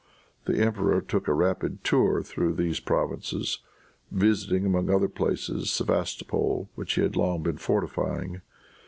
The emperor took a rapid tour through these provinces, visiting among other places Sevastopol, which he had long been fortifying.